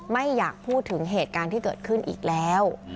ไม่อยากพูดถึงเหตุการณ์ที่เกิดขึ้นอีกแล้ว